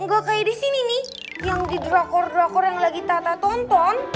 enggak kayak di sini nih yang di drakor drakor yang lagi tata tonton